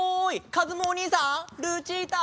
かずむおにいさんルチータ！